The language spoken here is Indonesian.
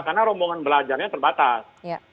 karena rombongan belajarnya terbatas